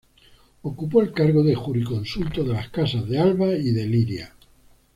Ocupó el cargo de Jurisconsulto de las Casas de Alba y de Liria.